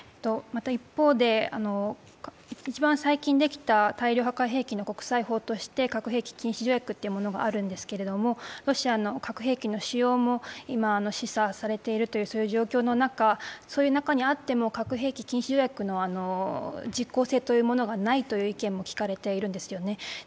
また一方で、一番最近できた大量破壊兵器の国際法として核兵器禁止条約というものがあるんですけどロシアの核兵器の使用も今、示唆されているという状況の中、核兵器禁止条約の実効性というもがないという意見も聞かれているんですよね。